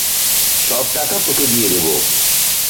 সব টাকা তোকে দিয়ে দেব।